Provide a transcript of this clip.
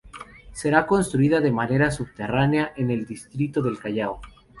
Será construida de manera subterránea en el distrito del Callao.